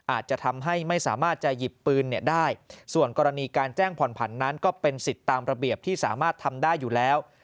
อาจจะทำให้ไม่สามารถจะหยิบปืนได้ส่วนกรณีการแจ้งผ่อนผันนั้นก็เป็นสิทธิ์ตามระเบียบที่สามารถทำได้อยู่แล้ว